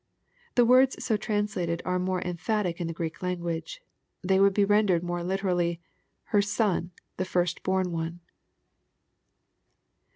] The words so translated are more em phatic in the Greek language. They would be rendered, more literally, " her Son, the first born one."